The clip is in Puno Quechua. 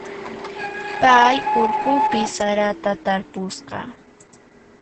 Pay urqupi sarata tarpusqa.